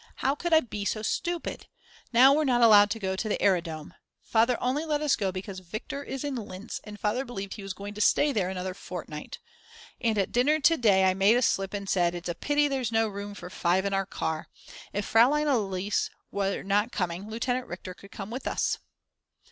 How could I be so stupid! Now we're not allowed to go to the aerodome. Father only let us go because Viktor is in Linz and Father believed he was going to stay there another fortnight. And at dinner to day I made a slip and said: "It is a pity there's no room for five in our car. If Fraulein Else were not coming Lieutenant Richter could come with us."